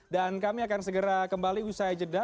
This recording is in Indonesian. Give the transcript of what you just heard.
dan kami akan segera kembali usai jeda